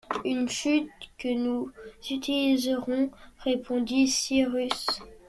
Une chute que nous utiliserons ! répondit Cyrus